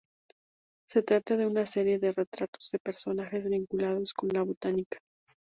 Se trata de una serie de retratos de personajes vinculados con la botánica.